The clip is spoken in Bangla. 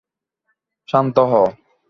শান্ত হও!